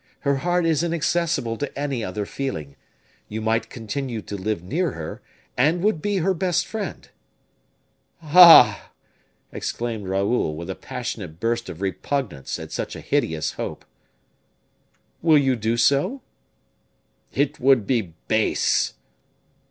Her heart is inaccessible to any other feeling. You might continue to live near her, and would be her best friend." "Ah!" exclaimed Raoul, with a passionate burst of repugnance at such a hideous hope. "Will you do so?" "It would be base."